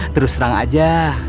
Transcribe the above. terus serang aja